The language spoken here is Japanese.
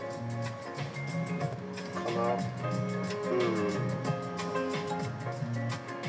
うん。